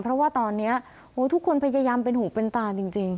เพราะว่าตอนนี้ทุกคนพยายามเป็นหูเป็นตาจริง